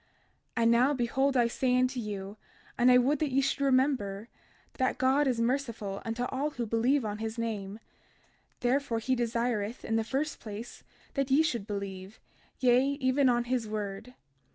32:22 And now, behold, I say unto you, and I would that ye should remember, that God is merciful unto all who believe on his name; therefore he desireth, in the first place, that ye should believe, yea, even on his word.